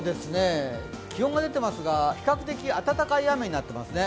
気温が出てますが、比較的温かい雨になってますね。